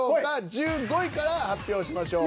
１５位から発表しましょう。